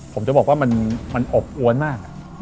ผมจะบอกว่ามันอบอวนมาก